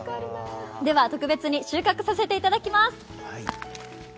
では、特別に収穫させていただきます。